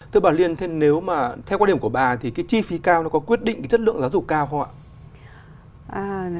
thưa bảo liên theo quan điểm của bà thì chi phí cao có quyết định chất lượng giáo dục cao không